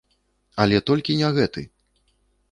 Але толькі не гэты!